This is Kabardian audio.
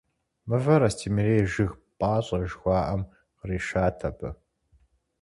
Мывэр «Астемырей жыг пӀащӀэ» жыхуаӀэм къришат абы.